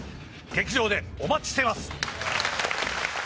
劇場でお待ちしています。